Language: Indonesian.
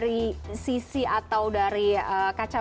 oh aslinya banten padahal